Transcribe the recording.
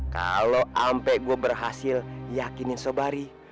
kalo ampe gue berhasil yakinin sobari